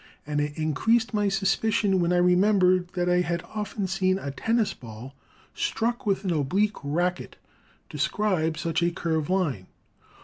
And it increased my suspicion, when I remembered that I had often seen a tennis ball struck with an oblique racket, describe such a curve line.